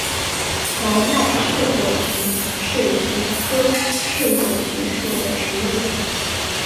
毛脉翅果菊是菊科翅果菊属的植物。